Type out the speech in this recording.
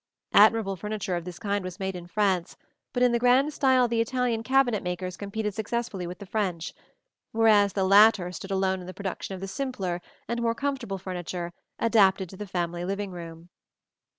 Admirable furniture of this kind was made in France; but in the grand style the Italian cabinet makers competed successfully with the French; whereas the latter stood alone in the production of the simpler and more comfortable furniture adapted to the family living room.